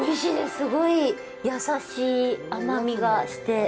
すごい優しい甘みがして。